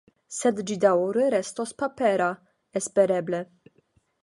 Sed ĝi daŭre restos papera, espereble.